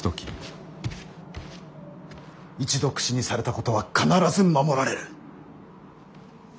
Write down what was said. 一度口にされたことは必ず守られる。